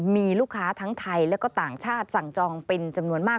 มีลูกค้าทั้งไทยและก็ต่างชาติสั่งจองเป็นจำนวนมาก